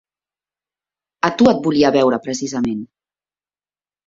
A tu et volia veure precisament.